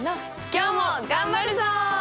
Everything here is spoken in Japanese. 今日も頑張るぞ！